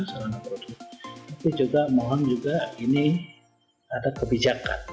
itu juga mohon juga ini ada kebijakan